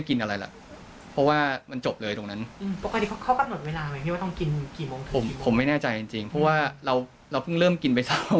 ก็เริ่มมีอาการเลย